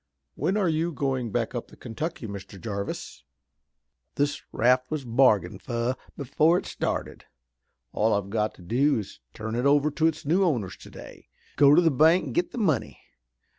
When are you going back up the Kentucky, Mr. Jarvis?" "This raft was bargained fur before it started. All I've got to do is to turn it over to its new owners today, go to the bank an' get the money.